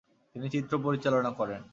তিনি চিত্র পরিচালনা করেন।